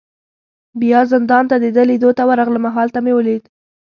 بیا زندان ته د ده لیدو ته ورغلم، او هلته مې ولید.